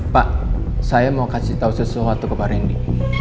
pak saya mau kasih tahu sesuatu ke pak rendy